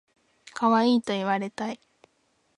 かわいいと言われたい